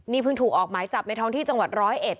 นี่เพิ่งถูกออกหมายจับในท้องที่จังหวัดร้อยเอ็ด